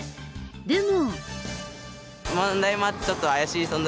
でも。